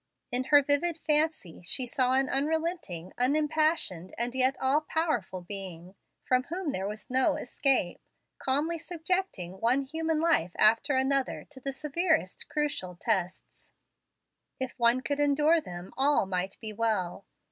In her vivid fancy, she saw an unrelenting, unimpassioned, and yet all powerful Being, from whom there was no escape, calmly subjecting one human life after another to the severest crucial tests. If one could endure them, all might be well.